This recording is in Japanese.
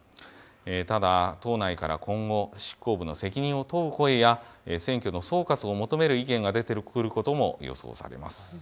ただ、党内から今後、執行部の責任を問う声や、選挙の総括を求める意見が出てくることも予想されます。